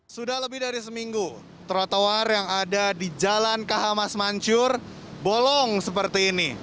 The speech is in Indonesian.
sudah lebih dari seminggu trotoar yang ada di jalan khamas mancur bolong seperti ini